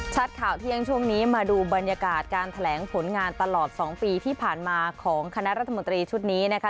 ข่าวเที่ยงช่วงนี้มาดูบรรยากาศการแถลงผลงานตลอด๒ปีที่ผ่านมาของคณะรัฐมนตรีชุดนี้นะคะ